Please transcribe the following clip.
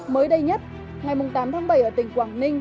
mới đây nhất ngày tám tháng bảy ở tỉnh quảng ninh